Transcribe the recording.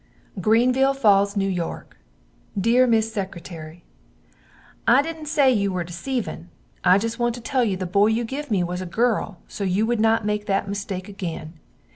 Greenville Falls. N.Y. Deer Miss Secretary, I didnt say you were deceivin, I just want to tell you the boy you give me was a girl so you wood not make that mistake agen.